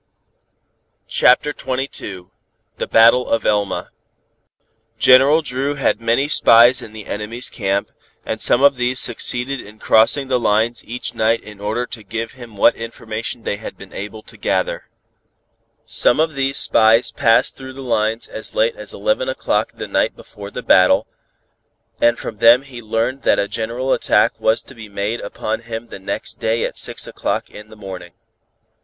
CHAPTER XXII THE BATTLE OF ELMA General Dru had many spies in the enemies' camp, and some of these succeeded in crossing the lines each night in order to give him what information they had been able to gather. Some of these spies passed through the lines as late as eleven o'clock the night before the battle, and from them he learned that a general attack was to be made upon him the next day at six o'clock in the morning.